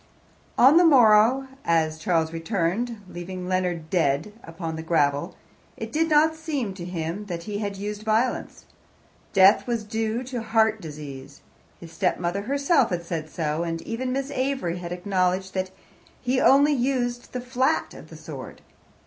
On the morrow, as Charles returned, leaving Leonard dead upon the gravel, it did not seem to him that he had used violence. Death was due to heart disease. His stepmother herself had said so, and even Miss Avery had acknowledged that he only used the flat of the sword.